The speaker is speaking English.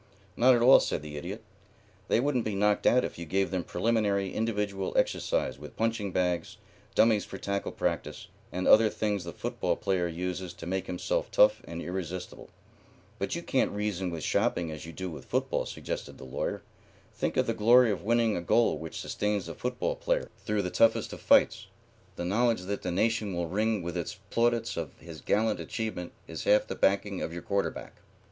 "Not at all," said the Idiot. "They wouldn't be knocked out if you gave them preliminary individual exercise with punching bags, dummies for tackle practice, and other things the football player uses to make himself tough and irresistible." "But you can't reason with shopping as you do with football," suggested the Lawyer. "Think of the glory of winning a goal which sustains the football player through the toughest of fights. The knowledge that the nation will ring with its plaudits of his gallant achievement is half the backing of your quarter back."